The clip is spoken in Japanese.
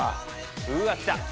うわ来た。